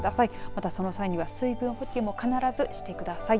また、その際には水分補給も必ずしてください。